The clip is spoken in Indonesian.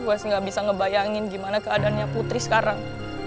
gue sih gak bisa ngebayangin gimana keadaannya putri sekarang